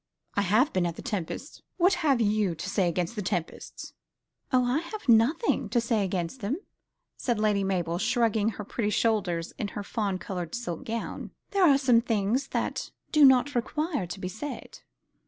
"I have been at the Tempests'. What have you to say against the Tempests?" "Oh, I have nothing to say against them," said Lady Mabel, shrugging her pretty shoulders in her fawn coloured silk gown. "There are some things that do not require to be said."